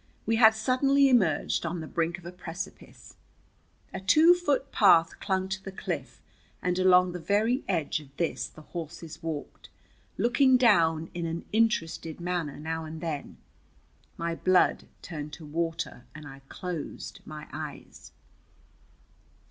We had suddenly emerged on the brink of a precipice. A two foot path clung to the cliff, and along the very edge of this the horses walked, looking down in an interested manner now and then. My blood turned to water and I closed my eyes.